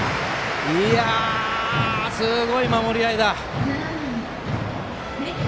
すごい守り合いだ！